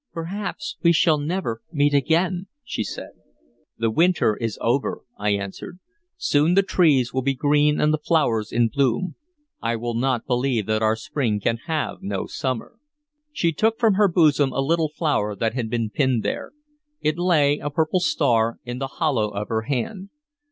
"Perhaps we shall never meet again," she said. "The winter is over," I answered. "Soon the trees will be green and the flowers in bloom. I will not believe that our spring can have no summer." She took from her bosom a little flower that had been pinned there. It lay, a purple star, in the hollow of her hand.